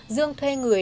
dương thuê người